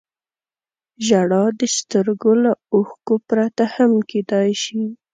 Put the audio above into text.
• ژړا د سترګو له اوښکو پرته هم کېدای شي.